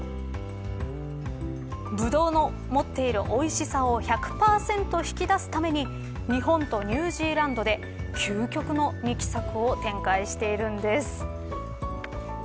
ブドウの持っているおいしさを１００％引き出すために日本とニュージーランドで究極の二期作を展開しているんです。